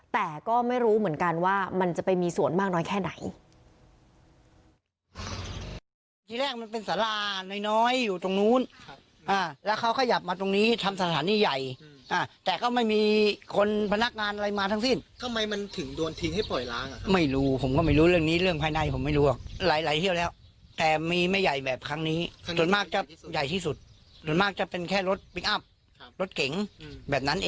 แต่ก็ไม่รู้เหมือนกันว่ามันจะไปมีส่วนมากน้อยแค่ไหน